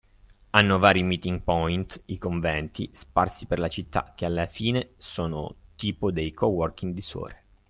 Hanno vari meeting point (i conventi) sparsi per la città, che alla fine sono tipo dei coworking di suore.